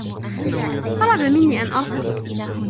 طلب مني أن أرقص.